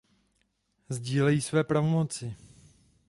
Sdílejí své pravomoci.